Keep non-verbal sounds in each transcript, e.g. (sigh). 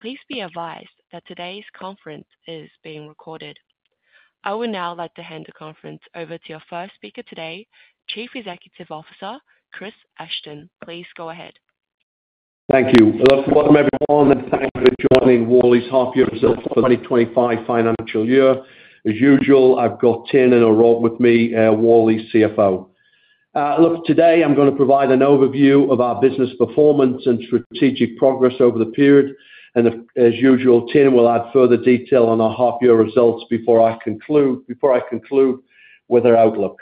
Please be advised that today's conference is being recorded. I will now like to hand the conference over to your first speaker today, Chief Executive Officer, Chris Ashton. Please go ahead. Thank you. Well, welcome everyone, and thanks for joining Worley's half-year results for 2025 financial year. As usual, I've got Tiernan O'Rourke with me, Worley CFO. Look, today I'm going to provide an overview of our business performance and strategic progress over the period. And as usual, Tiernan will add further detail on our half-year results before I conclude with our outlook.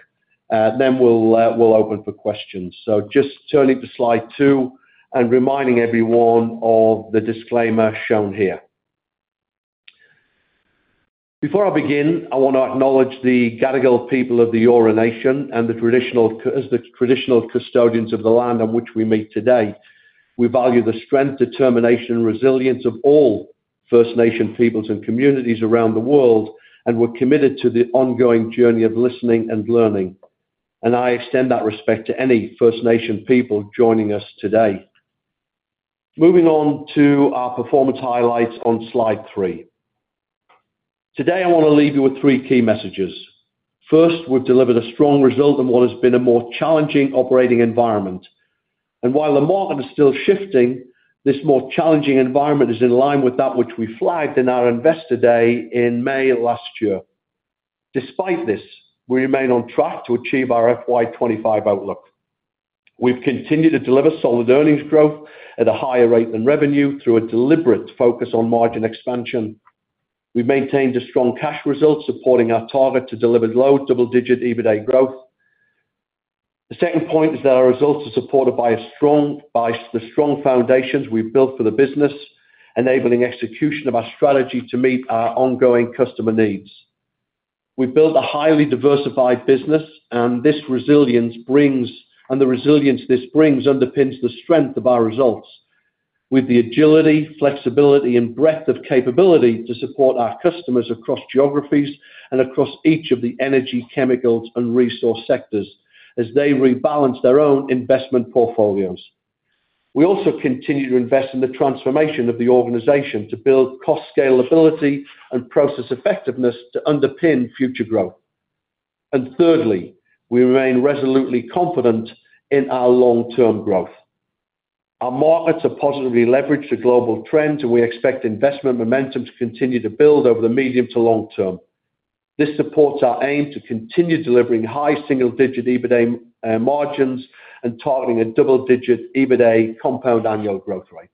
Then we'll open for questions. So just turning to slide two and reminding everyone of the disclaimer shown here. Before I begin, I want to acknowledge the Gadigal people of the Eora Nation and the traditional custodians of the land on which we meet today. We value the strength, determination, and resilience of all First Nation peoples and communities around the world, and we're committed to the ongoing journey of listening and learning. And I extend that respect to any First Nation people joining us today. Moving on to our performance highlights on slide three. Today, I want to leave you with three key messages. First, we've delivered a strong result in what has been a more challenging operating environment, and while the market is still shifting, this more challenging environment is in line with that which we flagged in our Investor Day in May last year. Despite this, we remain on track to achieve our FY 2025 outlook. We've continued to deliver solid earnings growth at a higher rate than revenue through a deliberate focus on margin expansion. We've maintained a strong cash result, supporting our target to deliver low double-digit EBITDA growth. The second point is that our results are supported by the strong foundations we've built for the business, enabling execution of our strategy to meet our ongoing customer needs. We've built a highly diversified business, and the resilience this brings underpins the strength of our results, with the agility, flexibility, and breadth of capability to support our customers across geographies and across each of the energy, chemicals, and resource sectors as they rebalance their own investment portfolios. We also continue to invest in the transformation of the organization to build cost scalability and process effectiveness to underpin future growth. And thirdly, we remain resolutely confident in our long-term growth. Our markets have positively leveraged the global trends, and we expect investment momentum to continue to build over the medium to long term. This supports our aim to continue delivering high single-digit EBITDA margins and targeting a double-digit EBITDA compound annual growth rate.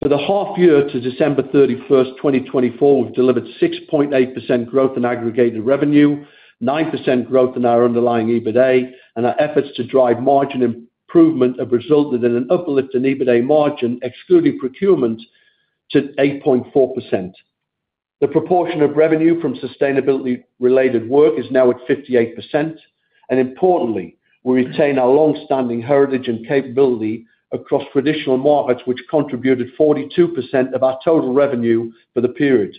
For the half-year to December 31st, 2024, we've delivered 6.8% growth in aggregated revenue, 9% growth in our underlying EBITDA, and our efforts to drive margin improvement have resulted in an uplift in EBITDA margin, excluding procurement, to 8.4%. The proportion of revenue from sustainability-related work is now at 58%. Importantly, we retain our long-standing heritage and capability across traditional markets, which contributed 42% of our total revenue for the period.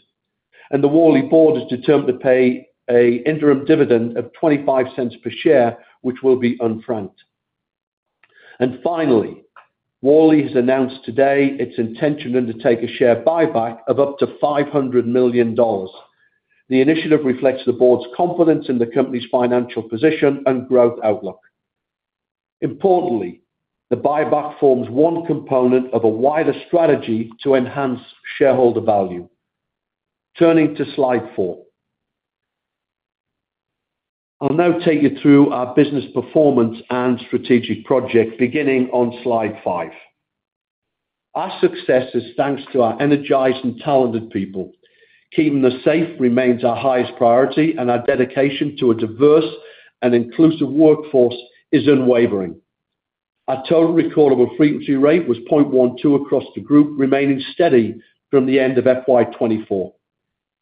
The Worley board has determined to pay an interim dividend of $0.25 per share, which will be unfranked. Finally, Worley has announced today its intention to undertake a share buyback of up to $500 million. The initiative reflects the board's confidence in the company's financial position and growth outlook. Importantly, the buyback forms one component of a wider strategy to enhance shareholder value. Turning to slide four, I'll now take you through our business performance and strategic project, beginning on slide five. Our success is thanks to our energized and talented people. Keeping us safe remains our highest priority, and our dedication to a diverse and inclusive workforce is unwavering. Our Total Recordable Frequency Rate was 0.12 across the group, remaining steady from the end of FY 2024.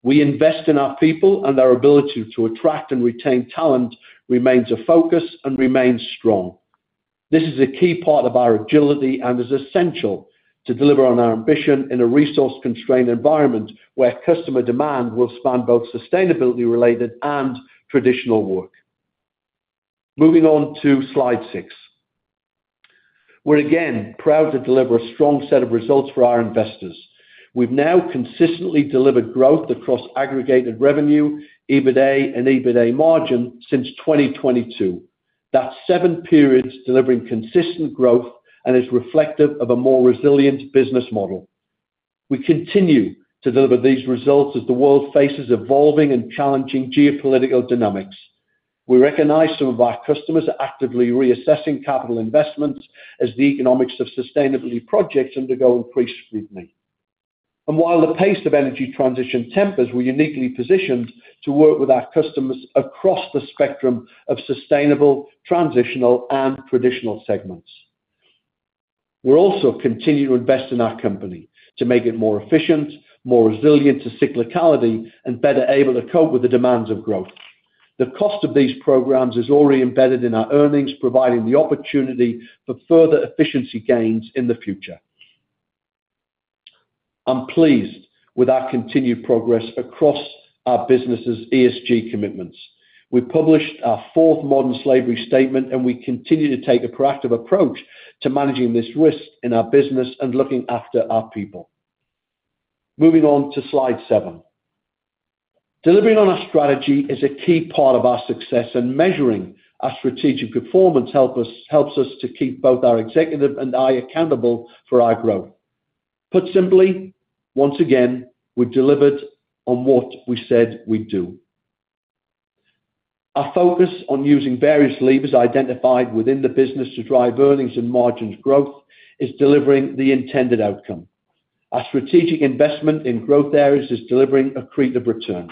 We invest in our people, and our ability to attract and retain talent remains a focus and remains strong. This is a key part of our agility and is essential to deliver on our ambition in a resource-constrained environment where customer demand will span both sustainability-related and traditional work. Moving on to slide six, we're again proud to deliver a strong set of results for our investors. We've now consistently delivered growth across aggregated revenue, EBITDA, and EBITDA margin since 2022. That's seven periods delivering consistent growth and is reflective of a more resilient business model. We continue to deliver these results as the world faces evolving and challenging geopolitical dynamics. We recognize some of our customers are actively reassessing capital investments as the economics of sustainability projects undergo increased scrutiny. While the pace of energy transition tempers, we're uniquely positioned to work with our customers across the spectrum of sustainable, transitional, and traditional segments. We're also continuing to invest in our company to make it more efficient, more resilient to cyclicality, and better able to cope with the demands of growth. The cost of these programs is already embedded in our earnings, providing the opportunity for further efficiency gains in the future. I'm pleased with our continued progress across our business's ESG commitments. We published our fourth modern slavery statement, and we continue to take a proactive approach to managing this risk in our business and looking after our people. Moving on to slide seven, delivering on our strategy is a key part of our success, and measuring our strategic performance helps us to keep both our executive and I accountable for our growth. Put simply, once again, we've delivered on what we said we'd do. Our focus on using various levers identified within the business to drive earnings and margins growth is delivering the intended outcome. Our strategic investment in growth areas is delivering accretive returns.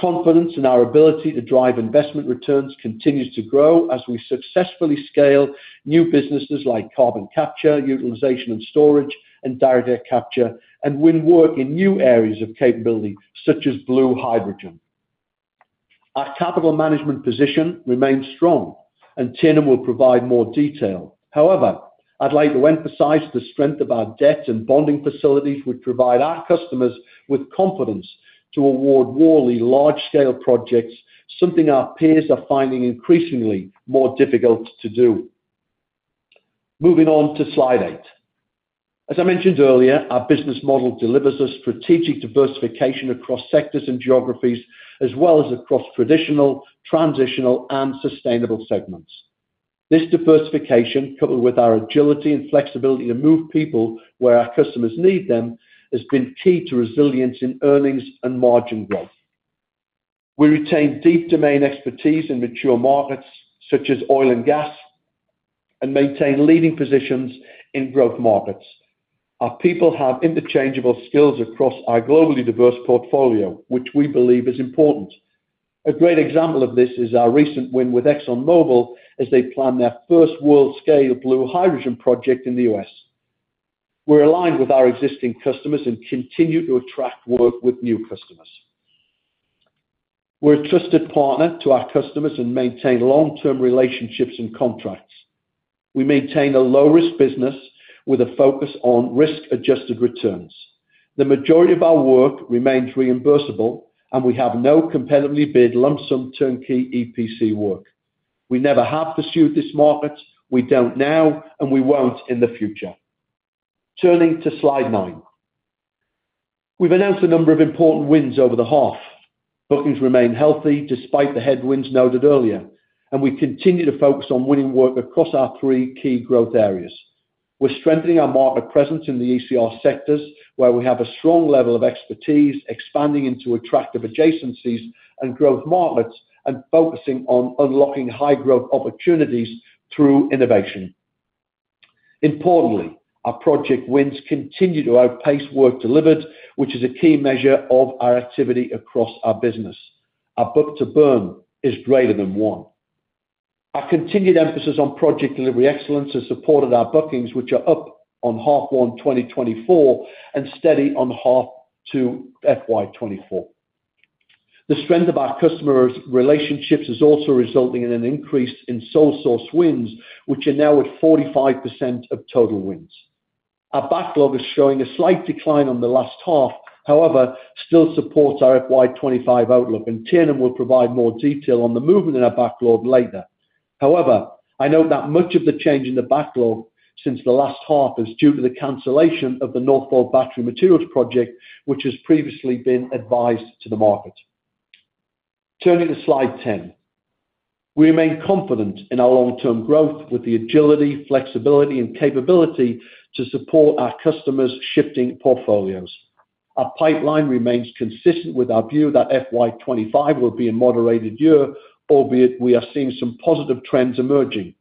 Confidence in our ability to drive investment returns continues to grow as we successfully scale new businesses like carbon capture, utilization and storage, and direct capture, and win-work in new areas of capability such as blue hydrogen. Our capital management position remains strong, and Tiernan will provide more detail. However, I'd like to emphasize the strength of our debt and bonding facilities, which provide our customers with confidence to award Worley large-scale projects, something our peers are finding increasingly more difficult to do. Moving on to slide eight. As I mentioned earlier, our business model delivers a strategic diversification across sectors and geographies, as well as across Traditional, Transitional, and Sustainable segments. This diversification, coupled with our agility and flexibility to move people where our customers need them, has been key to resilience in earnings and margin growth. We retain deep domain expertise in mature markets such as oil and gas and maintain leading positions in growth markets. Our people have interchangeable skills across our globally diverse portfolio, which we believe is important. A great example of this is our recent win with ExxonMobil as they plan their first world-scale blue hydrogen project in the U.S. We're aligned with our existing customers and continue to attract work with new customers. We're a trusted partner to our customers and maintain long-term relationships and contracts. We maintain a low-risk business with a focus on risk-adjusted returns. The majority of our work remains reimbursable, and we have no competitively bid lump sum turnkey EPC work. We never have pursued this market. We don't now, and we won't in the future. Turning to slide nine, we've announced a number of important wins over the half. Bookings remain healthy despite the headwinds noted earlier, and we continue to focus on winning work across our three key growth areas. We're strengthening our market presence in the ECR sectors where we have a strong level of expertise, expanding into attractive adjacencies and growth markets, and focusing on unlocking high-growth opportunities through innovation. Importantly, our project wins continue to outpace work delivered, which is a key measure of our activity across our business. Our book-to-burn is greater than one. Our continued emphasis on project delivery excellence has supported our bookings, which are up on half one 2024 and steady on half two FY 2024. The strength of our customer relationships is also resulting in an increase in sole source wins, which are now at 45% of total wins. Our backlog is showing a slight decline on the last half. However, it still supports our FY 2025 outlook, and Tiernan will provide more detail on the movement in our backlog later. However, I note that much of the change in the backlog since the last half is due to the cancellation of the Northvolt Battery Materials Project, which has previously been advised to the market. Turning to slide 10, we remain confident in our long-term growth with the agility, flexibility, and capability to support our customers' shifting portfolios. Our pipeline remains consistent with our view that FY 2025 will be a moderated year, albeit we are seeing some positive trends emerging.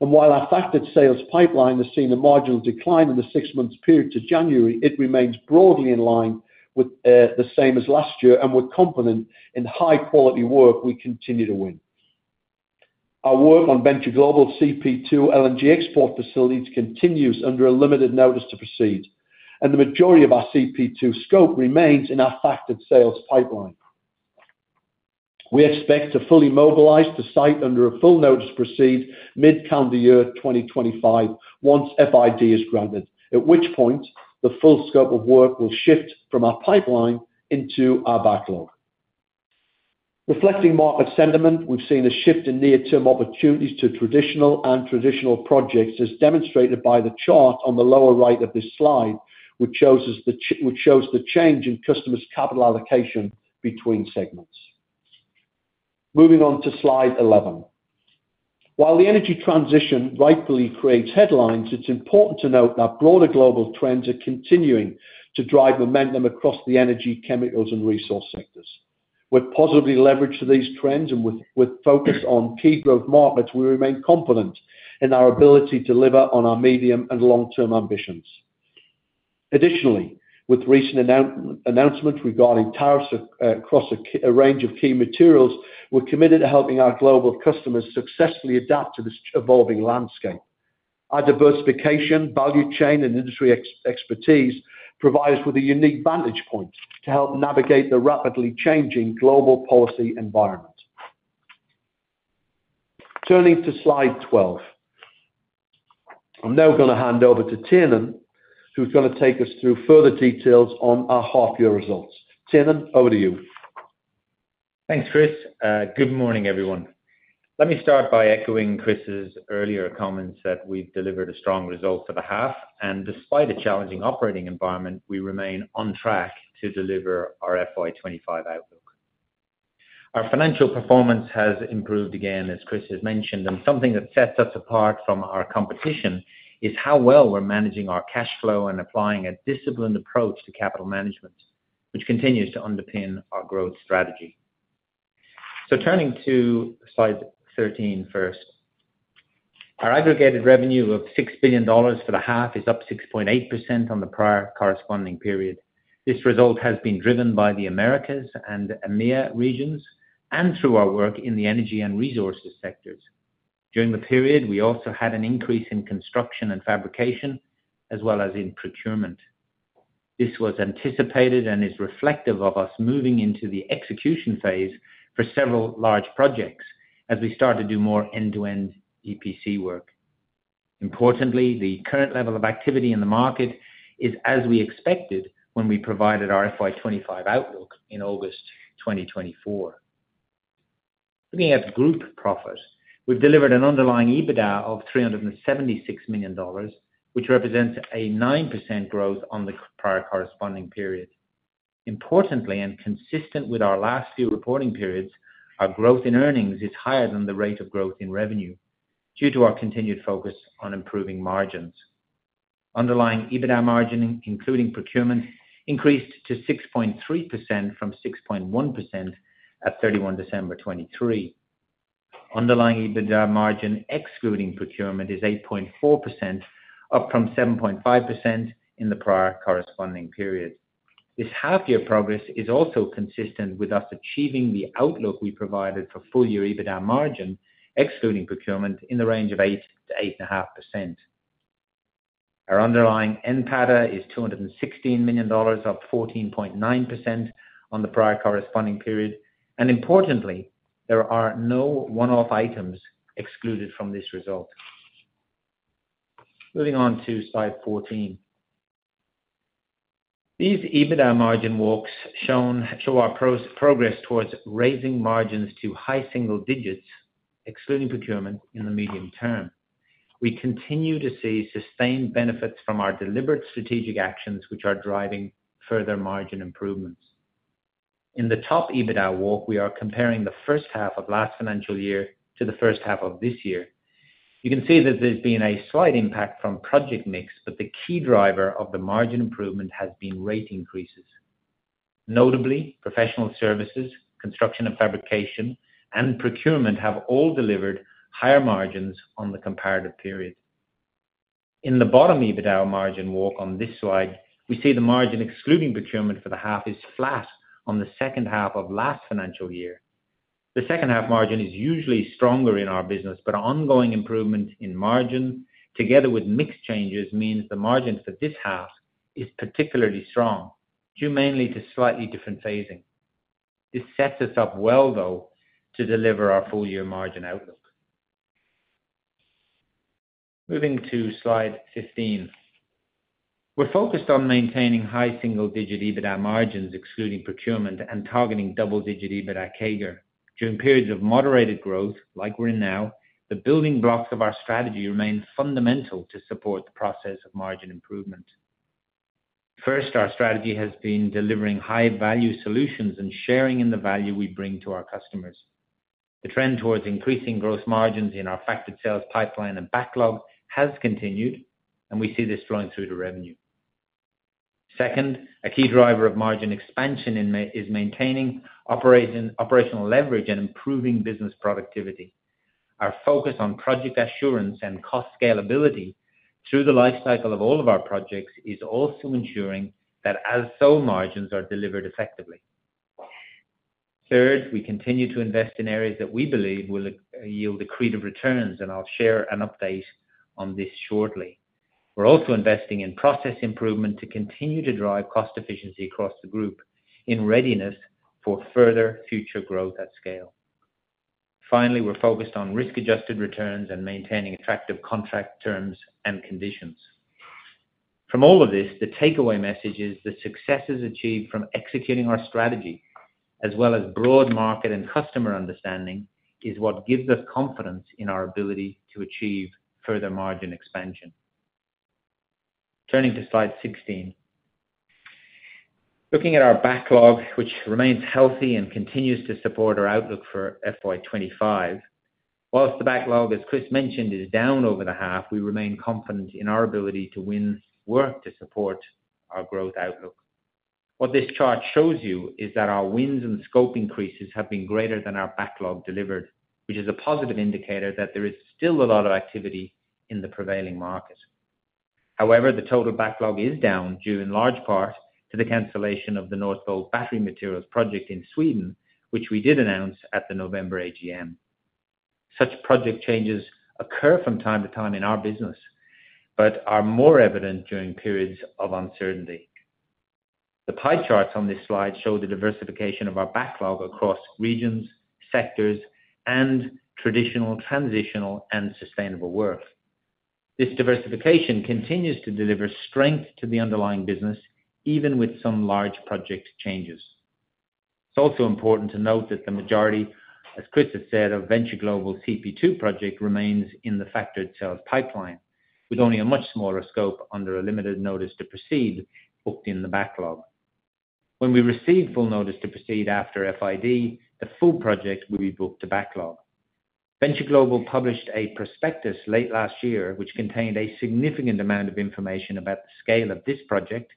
And while our factored sales pipeline has seen a marginal decline in the six-month period to January, it remains broadly in line with the same as last year, and we're confident in high-quality work we continue to win. Our work on Venture Global CP2 LNG export facilities continues under a Limited Notice to Proceed, and the majority of our CP2 scope remains in our factored sales pipeline. We expect to fully mobilize the site under a Full Notice to Proceed mid-calendar year 2025 once FID is granted, at which point the full scope of work will shift from our pipeline into our backlog. Reflecting market sentiment, we've seen a shift in near-term opportunities to traditional and traditional projects, as demonstrated by the chart on the lower right of this slide, which shows the change in customers' capital allocation between segments. Moving on to slide eleven, while the energy transition rightfully creates headlines, it's important to note that broader global trends are continuing to drive momentum across the energy, chemicals, and resource sectors. With positively leveraged to these trends and with focus on key growth markets, we remain confident in our ability to deliver on our medium and long-term ambitions. Additionally, with recent announcements regarding tariffs across a range of key materials, we're committed to helping our global customers successfully adapt to this evolving landscape. Our diversification, value chain, and industry expertise provide us with a unique vantage point to help navigate the rapidly changing global policy environment. Turning to slide twelve, I'm now going to hand over to Tiernan, who's going to take us through further details on our half-year results. Tiernan, over to you. Thanks, Chris. Good morning, everyone. Let me start by echoing Chris's earlier comments that we've delivered a strong result for the half, and despite a challenging operating environment, we remain on track to deliver our FY 2025 outlook. Our financial performance has improved again, as Chris has mentioned, and something that sets us apart from our competition is how well we're managing our cash flow and applying a disciplined approach to capital management, which continues to underpin our growth strategy. So turning to slide 13 first, our aggregated revenue of $6 billion for the half is up 6.8% on the prior corresponding period. This result has been driven by the Americas and EMEA regions and through our work in the energy and resources sectors. During the period, we also had an increase in construction and fabrication, as well as in procurement. This was anticipated and is reflective of us moving into the execution phase for several large projects as we start to do more end-to-end EPC work. Importantly, the current level of activity in the market is as we expected when we provided our FY 2025 outlook in August 2024. Looking at group profits, we've delivered an underlying EBITDA of $376 million, which represents a 9% growth on the prior corresponding period. Importantly, and consistent with our last few reporting periods, our growth in earnings is higher than the rate of growth in revenue due to our continued focus on improving margins. Underlying EBITDA margin, including procurement, increased to 6.3% from 6.1% at 31 December 2023. Underlying EBITDA margin, excluding procurement, is 8.4%, up from 7.5% in the prior corresponding period. This half-year progress is also consistent with us achieving the outlook we provided for full-year EBITDA margin, excluding procurement, in the range of 8%-8.5%. Our underlying NPATA is $216 million, up 14.9% on the prior corresponding period. Importantly, there are no one-off items excluded from this result. Moving on to slide 14, these EBITDA margin walks show our progress towards raising margins to high single digits, excluding procurement, in the medium term. We continue to see sustained benefits from our deliberate strategic actions, which are driving further margin improvements. In the top EBITDA walk, we are comparing the first half of last financial year to the first half of this year. You can see that there's been a slight impact from project mix, but the key driver of the margin improvement has been rate increases. Notably, professional services, construction and fabrication, and procurement have all delivered higher margins on the comparative period. In the bottom EBITDA margin walk on this slide, we see the margin, excluding procurement, for the half is flat on the second half of last financial year. The second half margin is usually stronger in our business, but ongoing improvement in margin, together with mixed changes, means the margin for this half is particularly strong, due mainly to slightly different phasing. This sets us up well, though, to deliver our full-year margin outlook. Moving to slide fifteen, we're focused on maintaining high single-digit EBITDA margins, excluding procurement, and targeting double-digit EBITDA CAGR. During periods of moderated growth, like we're in now, the building blocks of our strategy remain fundamental to support the process of margin improvement. First, our strategy has been delivering high-value solutions and sharing in the value we bring to our customers. The trend towards increasing gross margins in our factored sales pipeline and backlog has continued, and we see this flowing through to revenue. Second, a key driver of margin expansion is maintaining operational leverage and improving business productivity. Our focus on project assurance and cost scalability through the lifecycle of all of our projects is also ensuring that our solid margins are delivered effectively. Third, we continue to invest in areas that we believe will yield accretive returns, and I'll share an update on this shortly. We're also investing in process improvement to continue to drive cost efficiency across the group in readiness for further future growth at scale. Finally, we're focused on risk-adjusted returns and maintaining attractive contract terms and conditions. From all of this, the takeaway message is the successes achieved from executing our strategy, as well as broad market and customer understanding, is what gives us confidence in our ability to achieve further margin expansion. Turning to slide 16, looking at our backlog, which remains healthy and continues to support our outlook for FY 2025, while the backlog, as Chris mentioned, is down over the half, we remain confident in our ability to win work to support our growth outlook. What this chart shows you is that our wins and scope increases have been greater than our backlog delivered, which is a positive indicator that there is still a lot of activity in the prevailing market. However, the total backlog is down due, in large part, to the cancellation of the Northvolt Battery Materials Project in Sweden, which we did announce at the November AGM. Such project changes occur from time to time in our business, but are more evident during periods of uncertainty. The pie charts on this slide show the diversification of our backlog across regions, sectors, and Traditional, Transitional, and Sustainable work. This diversification continues to deliver strength to the underlying business, even with some large project changes. It's also important to note that the majority, as Chris has said, of Venture Global's CP2 project remains in the factored sales pipeline, with only a much smaller scope under a limited notice to proceed booked in the backlog. When we receive Full Notice to Proceed after FID, the full project will be booked to backlog. Venture Global published a prospectus late last year, which contained a significant amount of information about the scale of this project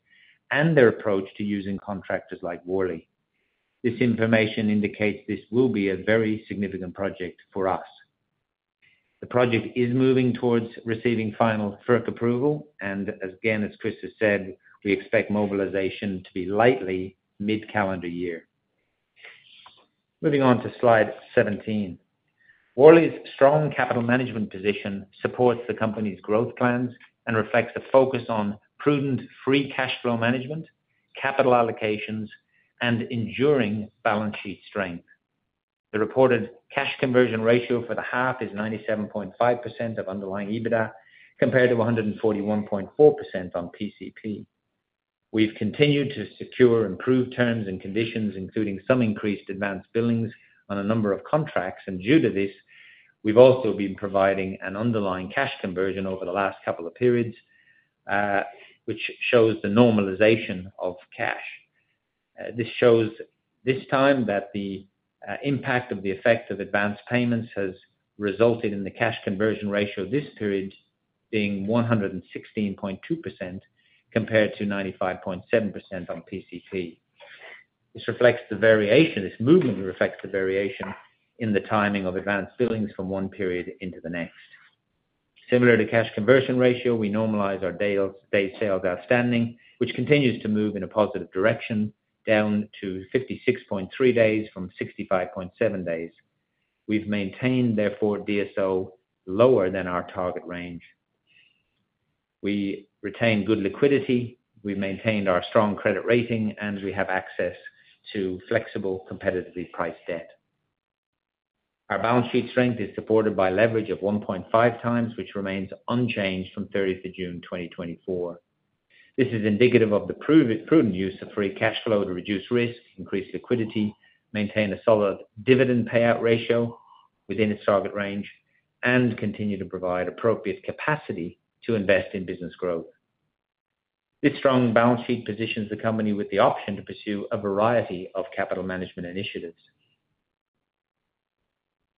and their approach to using contractors like Worley. This information indicates this will be a very significant project for us. The project is moving towards receiving final FERC approval, and again, as Chris has said, we expect mobilization to be likely mid-calendar year. Moving on to slide 17, Worley's strong capital management position supports the company's growth plans and reflects a focus on prudent free cash flow management, capital allocations, and enduring balance sheet strength. The reported cash conversion ratio for the half is 97.5% of underlying EBITDA, compared to 141.4% on PCP. We've continued to secure improved terms and conditions, including some increased advance billings on a number of contracts, and due to this, we've also been providing an underlying cash conversion over the last couple of periods, which shows the normalization of cash. This shows this time that the impact of the effect of advance payments has resulted in the cash conversion ratio this period being 116.2% compared to 95.7% on PCP. This reflects the variation. This movement reflects the variation in the timing of advance billings from one period into the next. Similar to cash conversion ratio, we normalize our Days Sales Outstanding, which continues to move in a positive direction down to 56.3 days from 65.7 days. We've maintained, therefore, DSO lower than our target range. We retain good liquidity, we've maintained our strong credit rating, and we have access to flexible, competitively priced debt. Our balance sheet strength is supported by leverage of 1.5 times, which remains unchanged from 30th of June 2024. This is indicative of the prudent use of free cash flow to reduce risk, increase liquidity, maintain a solid dividend payout ratio within its target range, and continue to provide appropriate capacity to invest in business growth. This strong balance sheet positions the company with the option to pursue a variety of capital management initiatives.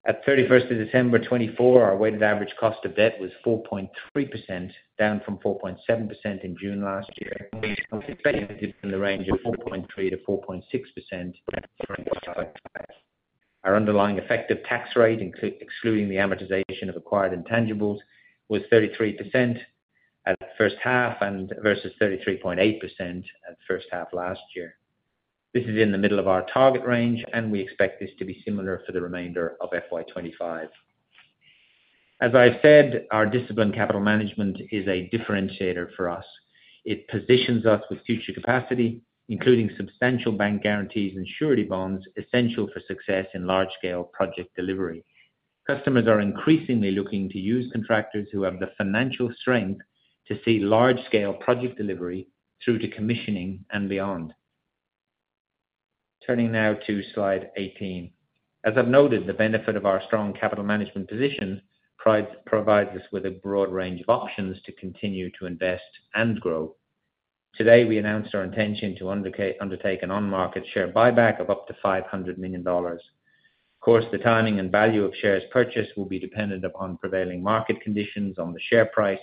At 31st of December 2024, our weighted average cost of debt was 4.3%, down from 4.7% in June last year, and we expected to be in the range of 4.3%-4.6% during the cycle. Our underlying effective tax rate, excluding the amortization of acquired intangibles, was 33% at first half versus 33.8% at first half last year. This is in the middle of our target range, and we expect this to be similar for the remainder of FY 2025. As I've said, our disciplined capital management is a differentiator for us. It positions us with future capacity, including substantial bank guarantees and surety bonds essential for success in large-scale project delivery. Customers are increasingly looking to use contractors who have the financial strength to see large-scale project delivery through to commissioning and beyond. Turning now to slide 18, as I've noted, the benefit of our strong capital management position provides us with a broad range of options to continue to invest and grow. Today, we announced our intention to undertake an on-market share buyback of up to $500 million. Of course, the timing and value of shares purchased will be dependent upon prevailing market conditions, on the share price,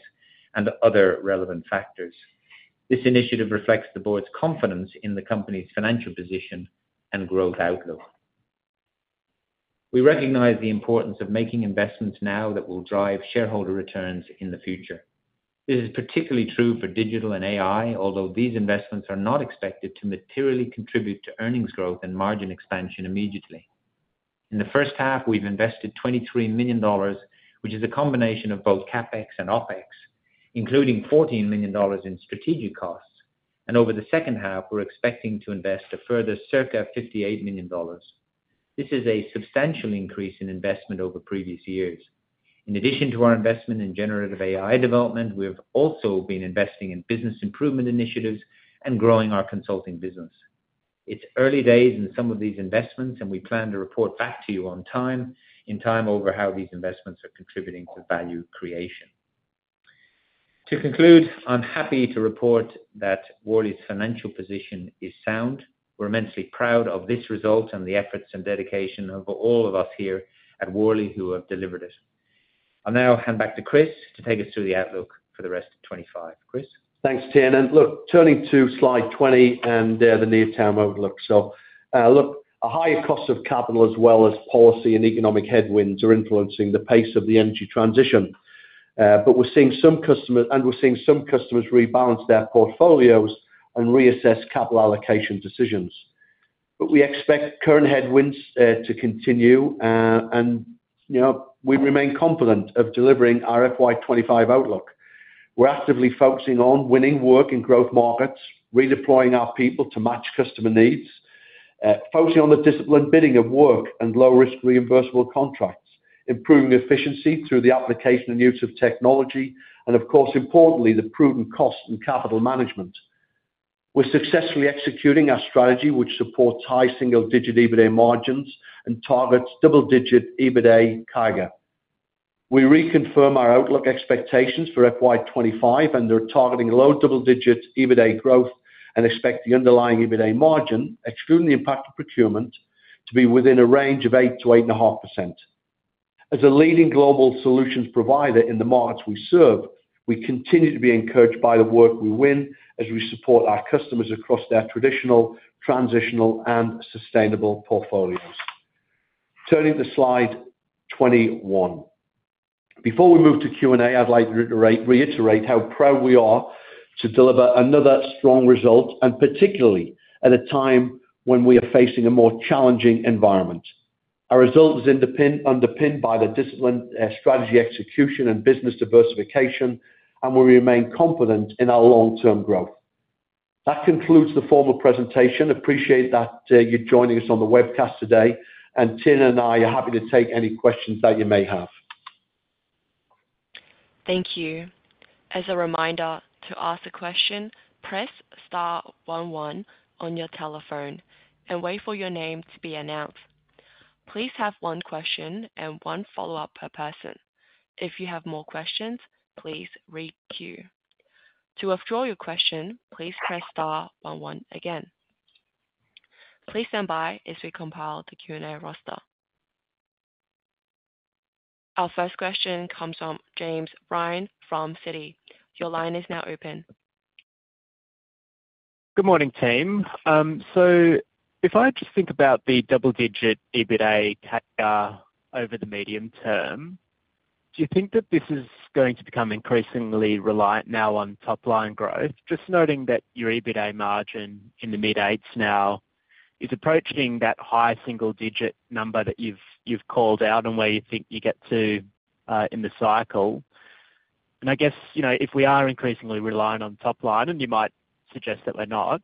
and other relevant factors. This initiative reflects the board's confidence in the company's financial position and growth outlook. We recognize the importance of making investments now that will drive shareholder returns in the future. This is particularly true for digital and AI, although these investments are not expected to materially contribute to earnings growth and margin expansion immediately. In the first half, we've invested $23 million, which is a combination of both CapEx and OpEx, including $14 million in strategic costs. Over the second half, we're expecting to invest a further circa $58 million. This is a substantial increase in investment over previous years. In addition to our investment in generative AI development, we've also been investing in business improvement initiatives and growing our consulting business. It's early days in some of these investments, and we plan to report back to you in time over how these investments are contributing to value creation. To conclude, I'm happy to report that Worley's financial position is sound. We're immensely proud of this result and the efforts and dedication of all of us here at Worley who have delivered it. I'll now hand back to Chris to take us through the outlook for the rest of 2025. Chris? Thanks, Tiernan. Look, turning to slide twenty and the near-term outlook. So look, a higher cost of capital as well as policy and economic headwinds are influencing the pace of the energy transition. But we're seeing some customers rebalance their portfolios and reassess capital allocation decisions. But we expect current headwinds to continue, and we remain confident of delivering our FY 2025 outlook. We're actively focusing on winning work in growth markets, redeploying our people to match customer needs, focusing on the disciplined bidding of work and low-risk reimbursable contracts, improving efficiency through the application and use of technology, and of course, importantly, the prudent cost and capital management. We're successfully executing our strategy, which supports high single-digit EBITDA margins and targets double-digit EBITDA CAGR. We reconfirm our outlook expectations for FY25, and we're targeting low double-digit EBITDA growth and expect the underlying EBITDA margin, excluding the impact of procurement, to be within a range of 8%-8.5%. As a leading global solutions provider in the markets we serve, we continue to be encouraged by the work we win as we support our customers across their Traditional, Transitional, and Sustainable portfolios. Turning to slide 21. Before we move to Q&A, I'd like to reiterate how proud we are to deliver another strong result, and particularly at a time when we are facing a more challenging environment. Our result is underpinned by the disciplined strategy execution and business diversification, and we remain confident in our long-term growth. That concludes the formal presentation. Appreciate that you're joining us on the webcast today, and Tiernan and I are happy to take any questions that you may have. Thank you. As a reminder, to ask a question, press star one one on your telephone and wait for your name to be announced. Please have one question and one follow-up per person. If you have more questions, please requeue. To withdraw your question, please press star one one again. Please stand by as we compile the Q&A roster. Our first question comes from James Bryan from Citi. Your line is now open. Good morning, team. So if I just think about the double-digit EBITDA CAGR over the medium term, do you think that this is going to become increasingly reliant now on top-line growth? Just noting that your EBITDA margin in the mid-eights now is approaching that high single-digit number that you've called out and where you think you get to in the cycle. And I guess if we are increasingly reliant on top-line, and you might suggest that we're not,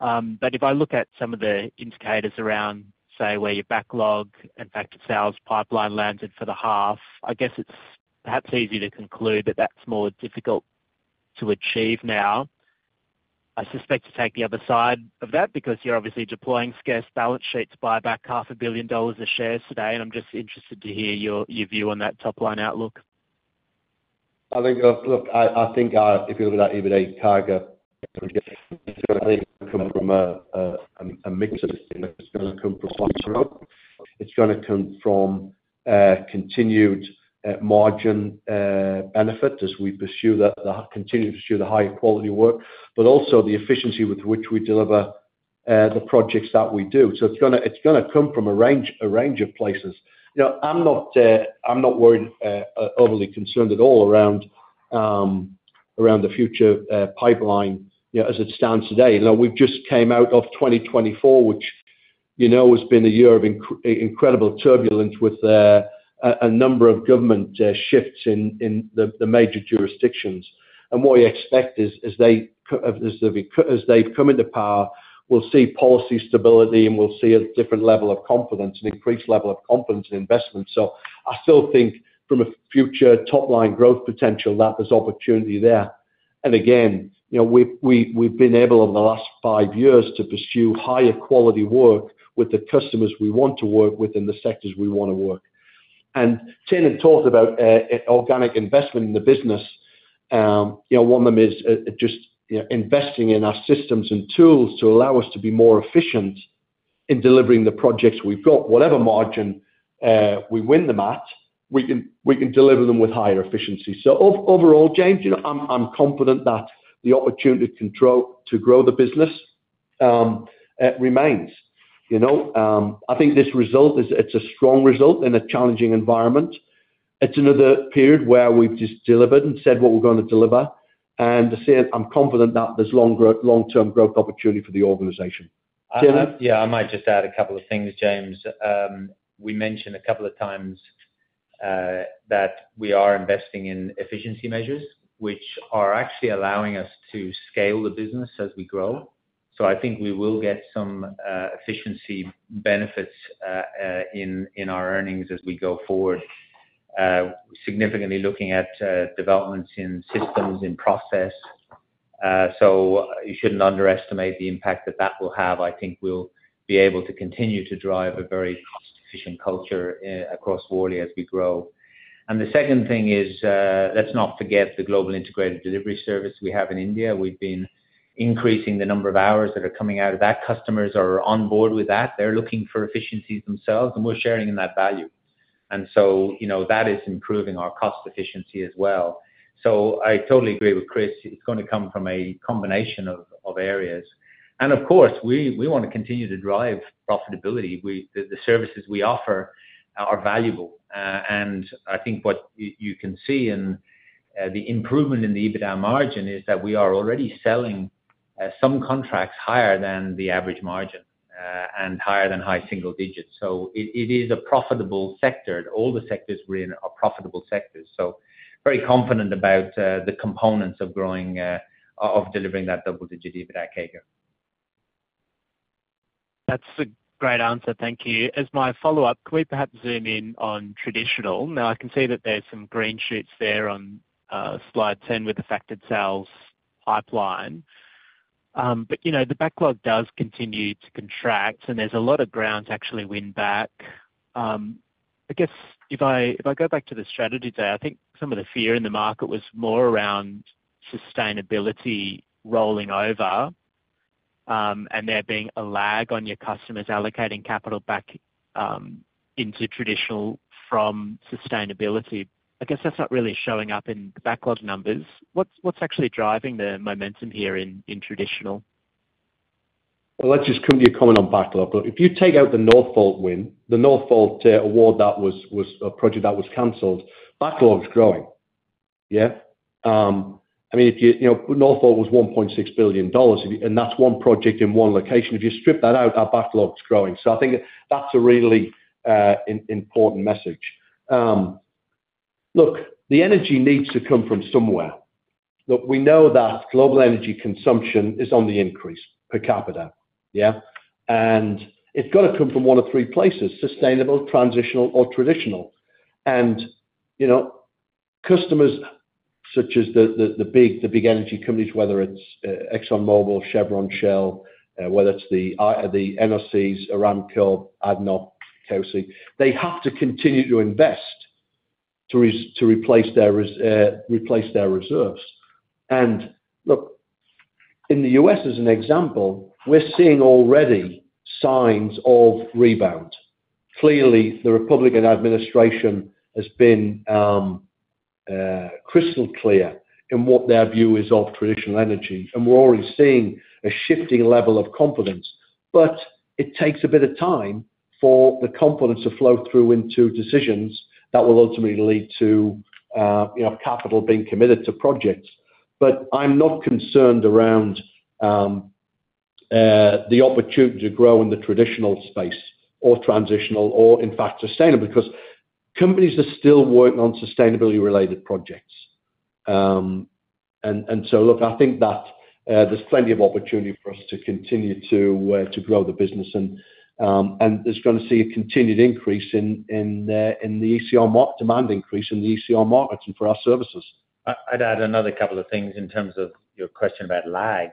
but if I look at some of the indicators around, say, where your backlog and factored sales pipeline landed for the half, I guess it's perhaps easier to conclude that that's more difficult to achieve now. I suspect you take the other side of that because you're obviously deploying scarce balance sheets by about $500 million of shares today, and I'm just interested to hear your view on that top-line outlook. I think, look, I think if you look at that EBITDA CAGR, (audio distortion) a mix of things. It's going to come from growth. It's going to come from continued margin benefit as we continue to pursue the high-quality work, but also the efficiency with which we deliver the projects that we do. So it's going to come from a range of places. I'm not overly concerned at all around the future pipeline as it stands today. We've just come out of 2024, which has been a year of incredible turbulence with a number of government shifts in the major jurisdictions. And what we expect is that as they come into power, we'll see policy stability, and we'll see a different level of confidence, an increased level of confidence in investment. So I still think from a future top-line growth potential that there's opportunity there. Again, we've been able over the last five years to pursue higher quality work with the customers we want to work with and the sectors we want to work. Tiernan talked about organic investment in the business. One of them is just investing in our systems and tools to allow us to be more efficient in delivering the projects we've got. Whatever margin we win them at, we can deliver them with higher efficiency. So overall, James, I'm confident that the opportunity to grow the business remains. I think this result; it's a strong result in a challenging environment. It's another period where we've just delivered and said what we're going to deliver. I'm confident that there's long-term growth opportunity for the organization. Tiernan? Yeah, I might just add a couple of things, James. We mentioned a couple of times that we are investing in efficiency measures, which are actually allowing us to scale the business as we grow, so I think we will get some efficiency benefits in our earnings as we go forward, significantly looking at developments in systems, in process, so you shouldn't underestimate the impact that that will have. I think we'll be able to continue to drive a very cost-efficient culture across Worley as we grow, and the second thing is, let's not forget the Global Integrated Delivery service we have in India. We've been increasing the number of hours that are coming out of that. Customers are on board with that. They're looking for efficiencies themselves, and we're sharing in that value, and so that is improving our cost efficiency as well, so I totally agree with Chris. It's going to come from a combination of areas. Of course, we want to continue to drive profitability. The services we offer are valuable. I think what you can see in the improvement in the EBITDA margin is that we are already selling some contracts higher than the average margin and higher than high single digits. It is a profitable sector. All the sectors we're in are profitable sectors. Very confident about the components of delivering that double-digit EBITDA CAGR. That's a great answer. Thank you. As my follow-up, can we perhaps zoom in on traditional? Now, I can see that there's some green shoots there on slide 10 with the factored sales pipeline. But the backlog does continue to contract, and there's a lot of ground to actually win back. I guess if I go back to the strategy there, I think some of the fear in the market was more around sustainability rolling over and there being a lag on your customers allocating capital back into traditional from sustainability. I guess that's not really showing up in the backlog numbers. What's actually driving the momentum here in traditional? Well, let's just come to your comment on backlog. Look, if you take out the Northvolt win, the Northvolt award, that was a project that was canceled. Backlog's growing. Yeah? I mean, Northvolt was $1.6 billion, and that's one project in one location. If you strip that out, our backlog's growing. So I think that's a really important message. Look, the energy needs to come from somewhere. Look, we know that global energy consumption is on the increase per capita. Yeah? It's got to come from one of three places: Sustainable, Transitional, or Traditional. Customers such as the big energy companies, whether it's ExxonMobil, Chevron, Shell, whether it's the NOCs, Aramco, ADNOC, KOC, they have to continue to invest to replace their reserves. Look, in the U.S., as an example, we're seeing already signs of rebound. Clearly, the Republican administration has been crystal clear in what their view is of traditional energy. We're already seeing a shifting level of confidence. But it takes a bit of time for the confidence to flow through into decisions that will ultimately lead to capital being committed to projects. I'm not concerned around the opportunity to grow in the Traditional space or Transitional or, in fact, Sustainable, because companies are still working on sustainability-related projects. Look, I think that there's plenty of opportunity for us to continue to grow the business. There's going to see a continued increase in the ECR demand increase in the ECR markets and for our services. I'd add another couple of things in terms of your question about lag.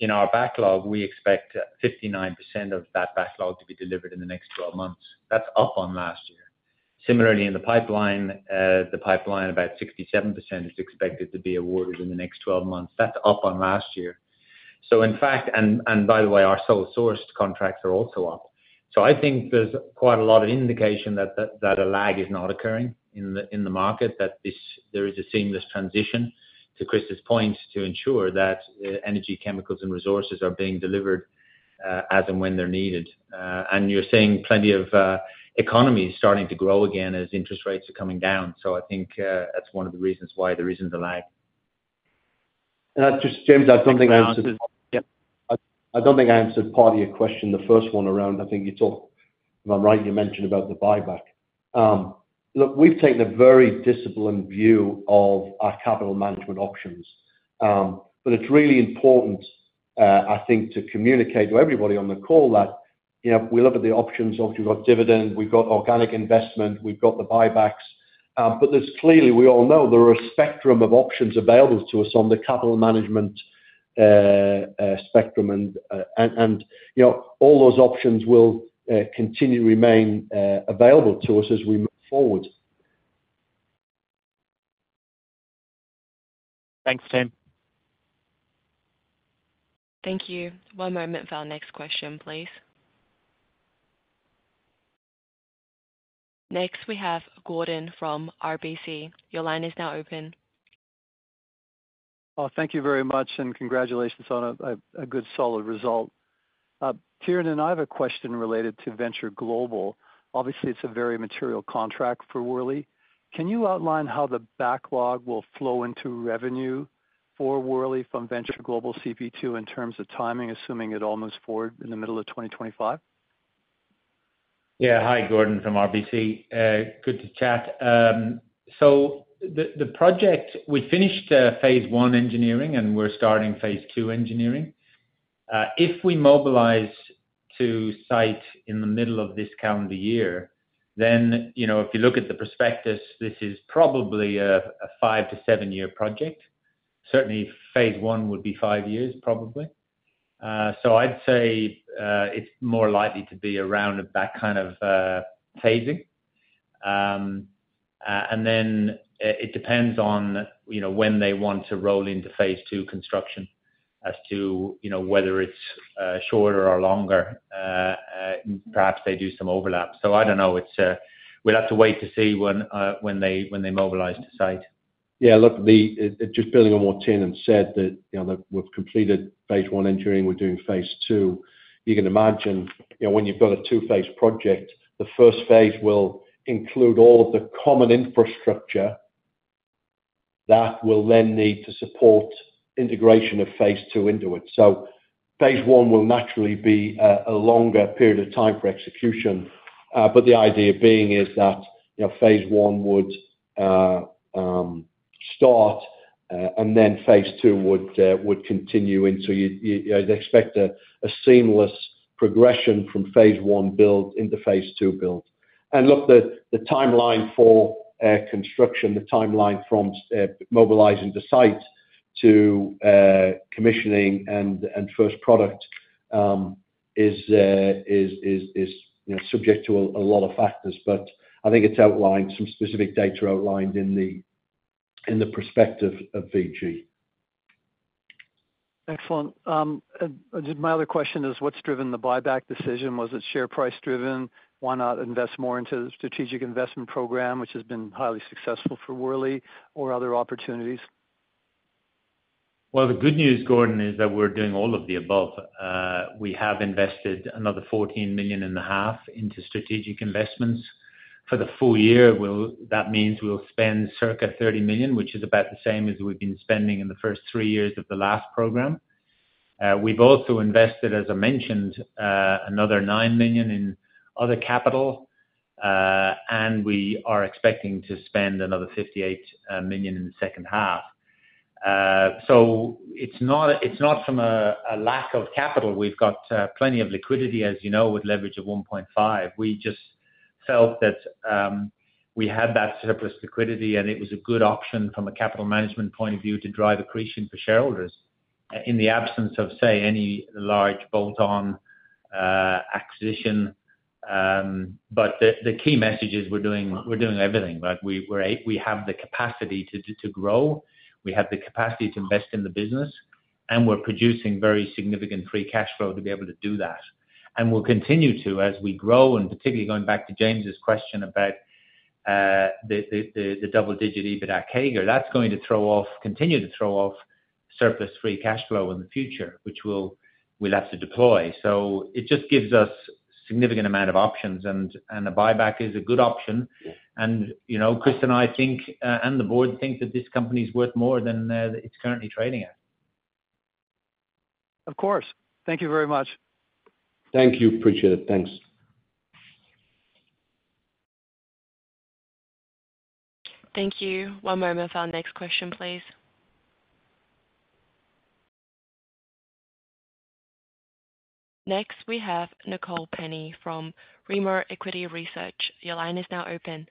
In our backlog, we expect 59% of that backlog to be delivered in the next 12 months. That's up on last year. Similarly, in the pipeline, about 67% is expected to be awarded in the next 12 months. That's up on last year. In fact, and by the way, our sole-sourced contracts are also up. So I think there's quite a lot of indication that a lag is not occurring in the market, that there is a seamless transition, to Chris's point, to ensure that energy, chemicals, and resources are being delivered as and when they're needed. And you're seeing plenty of economies starting to grow again as interest rates are coming down. So I think that's one of the reasons why there isn't a lag. Just, James, I don't think I answered part of your question. Yeah? I don't think I answered part of your question. The first one around, I think you talked, if I'm right, you mentioned about the buyback. Look, we've taken a very disciplined view of our capital management options. But it's really important, I think, to communicate to everybody on the call that we look at the options. Obviously, we've got dividend, we've got organic investment, we've got the buybacks. But there's clearly, we all know, there are a spectrum of options available to us on the capital management spectrum. And all those options will continue to remain available to us as we move forward. Thanks, Tiernan. Thank you. One moment for our next question, please. Next, we have Gordon from RBC. Your line is now open. Thank you very much, and congratulations on a good solid result. Tiernan, I have a question related to Venture Global. Obviously, it's a very material contract for Worley. Can you outline how the backlog will flow into revenue for Worley from Venture Global CP2 in terms of timing, assuming it all moves forward in the middle of 2025? Yeah. Hi, Gordon from RBC. Good to chat. So the project, we finished phase I engineering, and we're starting phase II engineering. If we mobilize to site in the middle of this calendar year, then if you look at the prospectus, this is probably a five to seven-year project. Certainly, phase I would be five years, probably. So I'd say it's more likely to be a round of that kind of phasing. And then it depends on when they want to roll into phase II construction as to whether it's shorter or longer. Perhaps they do some overlap. So I don't know. We'll have to wait to see when they mobilize to site. Yeah. Look, just building on what Tiernan said, that we've completed phase I engineering, we're doing phase II. You can imagine when you've got a two-phase project, the first phase will include all of the common infrastructure that will then need to support integration of phase II into it. Phase I will naturally be a longer period of time for execution. But the idea being is that phase I would start, and then phase II would continue into. You'd expect a seamless progression from phase I build into phase II build. And look, the timeline for construction, the timeline from mobilizing to site to commissioning and first product is subject to a lot of factors. But I think it's outlined, some specific data outlined in the prospectus of VG. Excellent. My other question is, what's driven the buyback decision? Was it share price driven? Why not invest more into the strategic investment program, which has been highly successful for Worley, or other opportunities? Well, the good news, Gordon, is that we're doing all of the above. We have invested another $14.5 million into strategic investments. For the full year, that means we'll spend circa $30 million, which is about the same as we've been spending in the first three years of the last program. We've also invested, as I mentioned, another $9 million in other capital. And we are expecting to spend another $58 million in the second half. So it's not from a lack of capital. We've got plenty of liquidity, as you know, with leverage of 1.5. We just felt that we had that surplus liquidity, and it was a good option from a capital management point of view to drive accretion for shareholders in the absence of, say, any large bolt-on acquisition. But the key message is we're doing everything. We have the capacity to grow. We have the capacity to invest in the business. And we're producing very significant free cash flow to be able to do that. And we'll continue to, as we grow, and particularly going back to James's question about the double-digit EBITDA CAGR, that's going to continue to throw off surplus free cash flow in the future, which we'll have to deploy. So it just gives us a significant amount of options. And a buyback is a good option. And Chris and I think, and the board think, that this company is worth more than it's currently trading at. Of course. Thank you very much. Thank you. Appreciate it. Thanks. Thank you. One moment for our next question, please. Next, we have Nicole Penny from Rimor Equity Research. Your line is now open.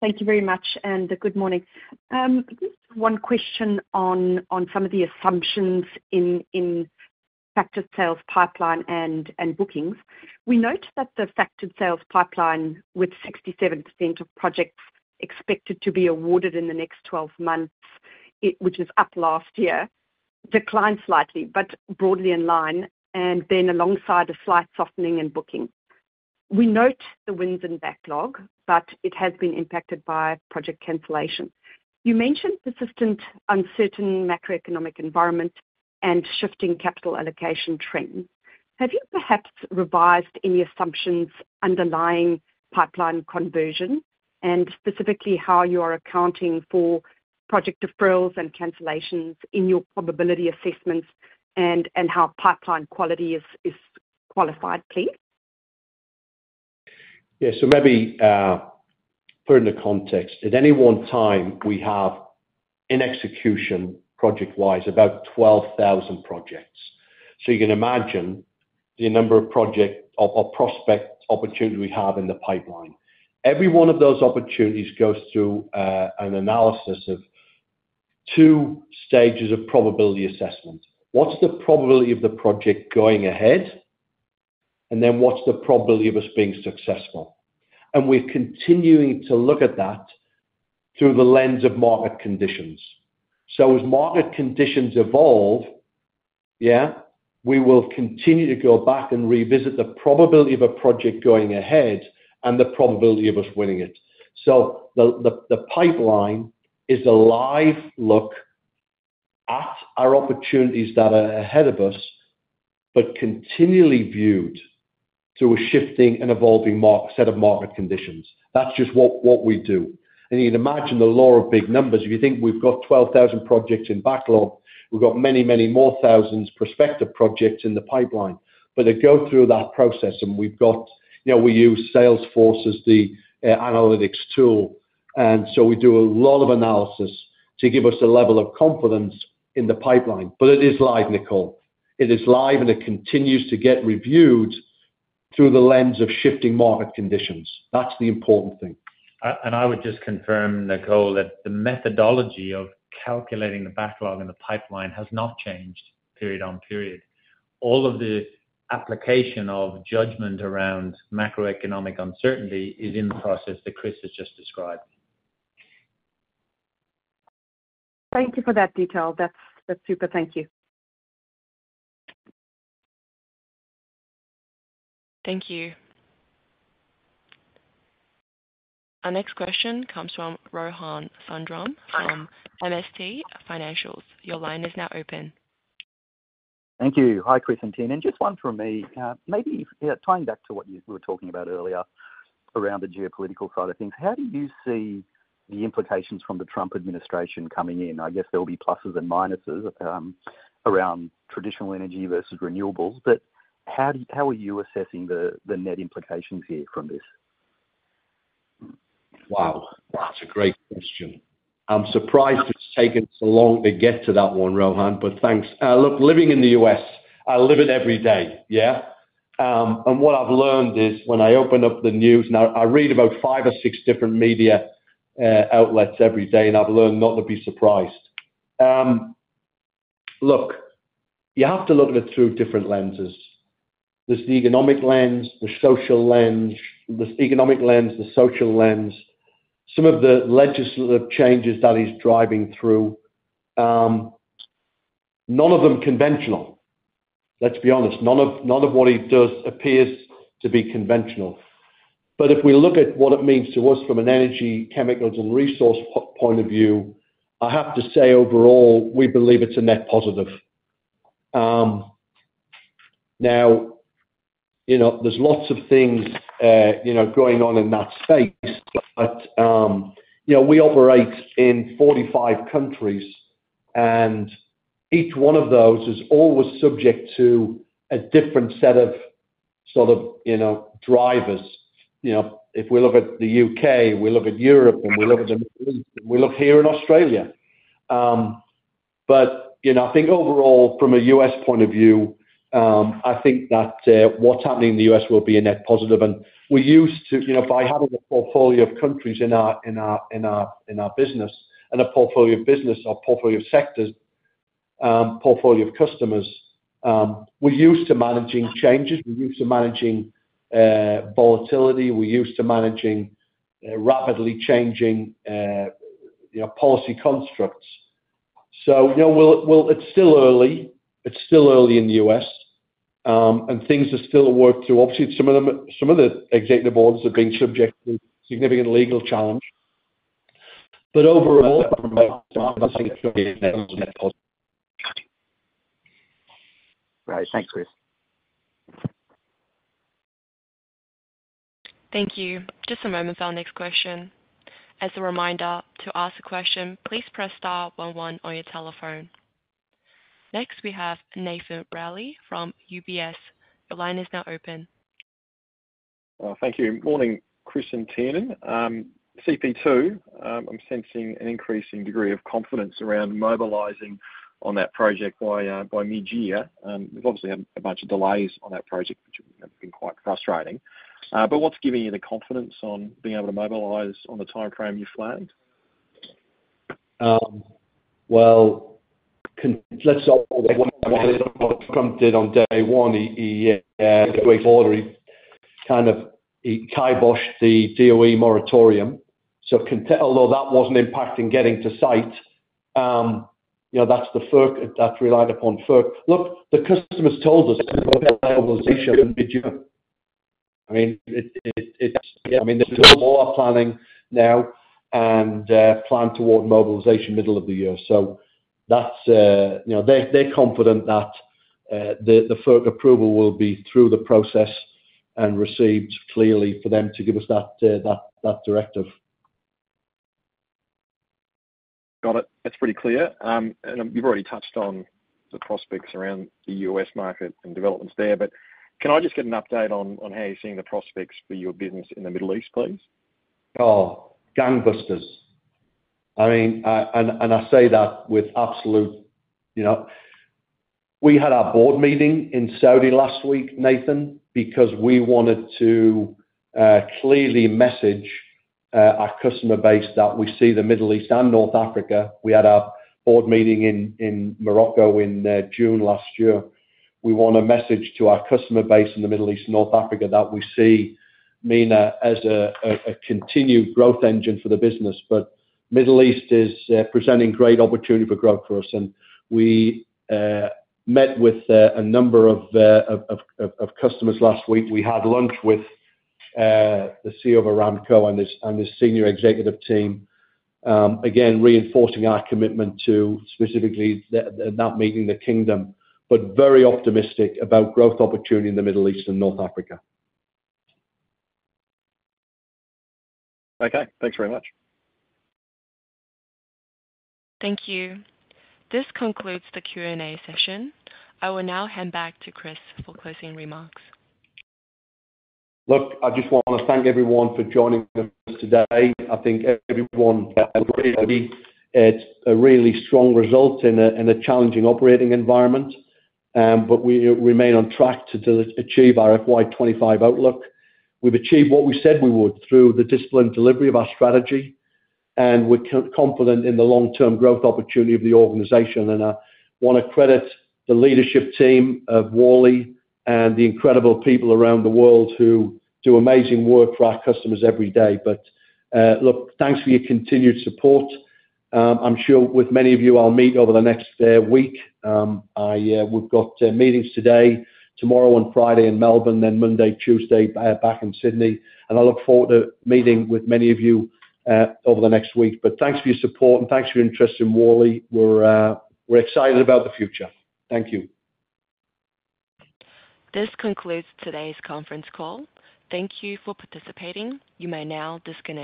Thank you very much. And good morning. Just one question on some of the assumptions in factored sales pipeline and bookings. We note that the factored sales pipeline, with 67% of projects expected to be awarded in the next 12 months, which is up last year, declined slightly, but broadly in line, and then alongside a slight softening in bookings. We note the wins in backlog, but it has been impacted by project cancellation. You mentioned persistent uncertain macroeconomic environment and shifting capital allocation trends. Have you perhaps revised any assumptions underlying pipeline conversion and specifically how you are accounting for project deferrals and cancellations in your probability assessments and how pipeline quality is qualified, please? Yeah. So maybe put it in the context. At any one time, we have, in execution, project-wise, about 12,000 projects. So you can imagine the number of project or prospect opportunities we have in the pipeline. Every one of those opportunities goes through an analysis of two stages of probability assessment. What's the probability of the project going ahead? And then what's the probability of us being successful? And we're continuing to look at that through the lens of market conditions. So as market conditions evolve, yeah, we will continue to go back and revisit the probability of a project going ahead and the probability of us winning it. So the pipeline is a live look at our opportunities that are ahead of us, but continually viewed through a shifting and evolving set of market conditions. That's just what we do. And you can imagine the allure of big numbers. If you think we've got 12,000 projects in backlog, we've got many, many more thousands prospective projects in the pipeline. But they go through that process. And we've got we use Salesforce as the analytics tool. And so we do a lot of analysis to give us a level of confidence in the pipeline. But it is live, Nicole. It is live, and it continues to get reviewed through the lens of shifting market conditions. That's the important thing. And I would just confirm, Nicole, that the methodology of calculating the backlog and the pipeline has not changed period on period. All of the application of judgment around macroeconomic uncertainty is in the process that Chris has just described. Thank you for that detail. That's super. Thank you. Our next question comes from Rohan Sundram from MST Financial. Your line is now open. Thank you. Hi, Chris and Tiernan. Just one from me. Maybe tying back to what you were talking about earlier around the geopolitical side of things, how do you see the implications from the Trump administration coming in? I guess there will be pluses and minuses around traditional energy versus renewables. But how are you assessing the net implications here from this? Wow. That's a great question. I'm surprised it's taken so long to get to that one, Rohan. But thanks. Look, living in the U.S., I live it every day. Yeah? And what I've learned is when I open up the news, now I read about five or six different media outlets every day, and I've learned not to be surprised. Look, you have to look at it through different lenses. There's the economic lens, the social lens, the economic lens, the social lens, some of the legislative changes that he's driving through. None of them conventional. Let's be honest. None of what he does appears to be conventional. But if we look at what it means to us from an energy, chemicals, and resource point of view, I have to say overall, we believe it's a net positive. Now, there's lots of things going on in that space. But we operate in 45 countries. And each one of those is always subject to a different set of sort of drivers. If we look at the U.K., we look at Europe, and we look at the Middle East, and we look here in Australia. But I think overall, from a U.S. point of view, I think that what's happening in the U.S. will be a net positive. And we're used to if I had a portfolio of countries in our business, and a portfolio of business, a portfolio of sectors, portfolio of customers, we're used to managing changes. We're used to managing volatility. We're used to managing rapidly changing policy constructs. So it's still early. It's still early in the U.S. And things are still working through. Obviously, some of the executive orders have been subject to significant legal challenge. But overall, (audio distortion) a net positive. Right. Thanks, Chris. Thank you. Just a moment for our next question. As a reminder, to ask a question, please press star one one on your telephone. Next, we have Nathan Reilly from UBS. Your line is now open. Thank you. Morning, Chris and Tiernan. CP2, I'm sensing an increasing degree of confidence around mobilizing on that project by mid-year. There's obviously a bunch of delays on that project, which have been quite frustrating. But what's giving you the confidence on being able to mobilize on the timeframe you've planned? Well, (audio distortion) Trump did on day one. (audio distortion) kind of kiboshed the DOE moratorium. So although that wasn't impacting getting to site, that's reliant upon FERC. Look, the customers told (audio distortion) there's a lot more planning now and a plan toward mobilization middle of the year. So they're confident that the FERC approval will be through the process and received clearly for them to give us that directive. Got it. That's pretty clear. And you've already touched on the prospects around the U.S. market and developments there. But can I just get an update on how you're seeing the prospects for your business in the Middle East, please? Oh, gangbusters. I mean, and I say that with absolute we had our board meeting in Saudi last week, Nathan, because we wanted to clearly message our customer base that we see the Middle East and North Africa. We had our board meeting in Morocco in June last year. We want to message to our customer base in the Middle East and North Africa that we see MENA as a continued growth engine for the business, but the Middle East is presenting great opportunity for growth for us, and we met with a number of customers last week. We had lunch with the CEO of Aramco and his senior executive team, again, reinforcing our commitment to specifically that meeting in the Kingdom, but very optimistic about growth opportunity in the Middle East and North Africa. Okay. Thanks very much. Thank you. This concludes the Q&A session. I will now hand back to Chris for closing remarks. Look, I just want to thank everyone for joining us today. I think everyone really had a really strong result in a challenging operating environment. But we remain on track to achieve our FY 2025 outlook. We've achieved what we said we would through the disciplined delivery of our strategy. And we're confident in the long-term growth opportunity of the organization. And I want to credit the leadership team of Worley and the incredible people around the world who do amazing work for our customers every day. But look, thanks for your continued support. I'm sure with many of you, I'll meet over the next week. We've got meetings today, tomorrow, and Friday in Melbourne, then Monday, Tuesday back in Sydney. And I look forward to meeting with many of you over the next week. But thanks for your support and thanks for your interest in Worley. We're excited about the future. Thank you. This concludes today's conference call. Thank you for participating. You may now disconnect.